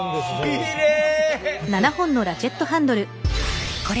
きれい。